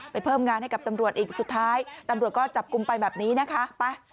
เพิ่มงานให้กับตำรวจอีกสุดท้ายตำรวจก็จับกลุ่มไปแบบนี้นะคะไป